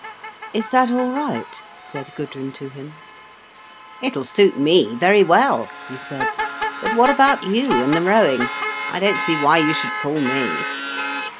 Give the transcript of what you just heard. "Is that all right?" said Gudrun to him. "It'll suit me very well," he said. "But what about you, and the rowing? I don't see why you should pull me."